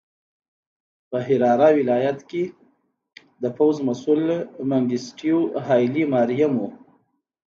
په حراره ولایت کې د پوځ مسوول منګیسټیو هایلي ماریم و.